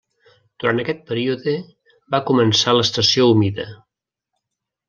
Durant aquest període, va començar l'estació humida.